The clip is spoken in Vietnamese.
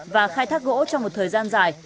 và khai thác gỗ trong một thời gian dài